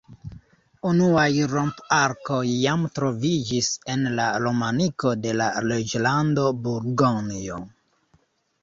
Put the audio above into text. Unuaj romp-arkoj jam troviĝis en la romaniko de la Reĝlando Burgonjo.